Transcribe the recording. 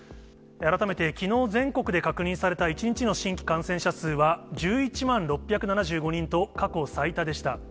改めてきのう、全国で確認された１日の新規感染者数は１１万６７５人と、過去最多でした。